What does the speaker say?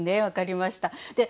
分かりました。